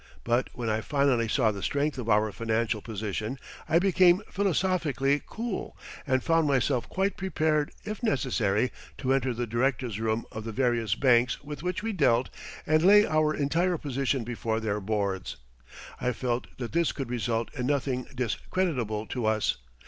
But when I finally saw the strength of our financial position I became philosophically cool and found myself quite prepared, if necessary, to enter the directors' rooms of the various banks with which we dealt, and lay our entire position before their boards. I felt that this could result in nothing discreditable to us.